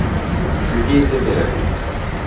Sizga esa beradi!